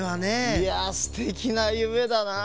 いやすてきなゆめだなあ。